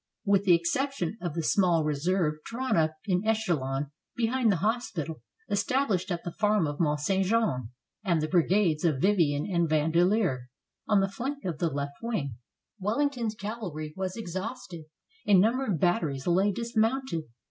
With the excep tion of the small reserve drawn up in echelon behind the hospital established at the farm of Mont St. Jean, 377 FRANCE and the brigades of Vivian and Vandeleur on the flank of the left wing, Wellington's cavalry was exhausted. A number of batteries lay dismounted.